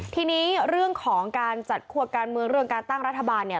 ทีนี้เรื่องของการจัดคั่วการเมืองเรื่องการตั้งรัฐบาลเนี่ย